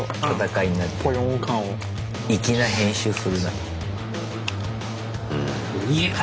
粋な編集するな。